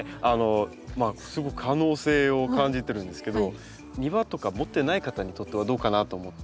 すごく可能性を感じてるんですけど庭とか持ってない方にとってはどうかなと思って。